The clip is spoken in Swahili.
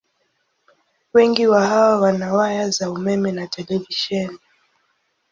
Wengi wa hawa wana waya za umeme na televisheni.